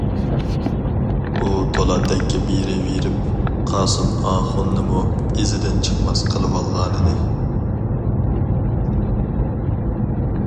ئۇ تولا دەككە بېرىۋېرىپ، قاسىم ئاخۇننىمۇ ئىزىدىن چىقماس قىلىۋالغانىدى.